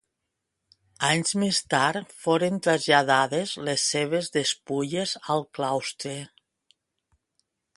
Anys més tard foren traslladades les seves despulles al claustre.